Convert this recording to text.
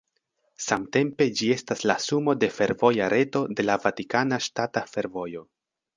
Samtempe ĝi estas la sumo de fervoja reto de la Vatikana Ŝtata Fervojo.